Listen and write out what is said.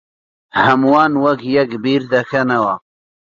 ھەمووان وەک یەک بیردەکەنەوە.